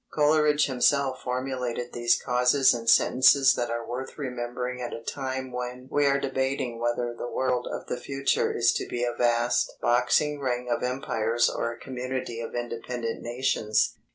Coleridge himself formulated these causes in sentences that are worth remembering at a time when we are debating whether the world of the future is to be a vast boxing ring of empires or a community of independent nations.